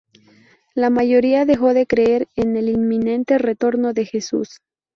La mayoría dejó de creer en el inminente retorno de Jesús.